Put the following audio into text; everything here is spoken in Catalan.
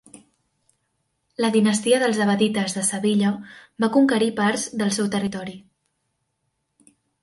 La dinastia dels abbadites de Sevilla va conquerir parts del seu territori.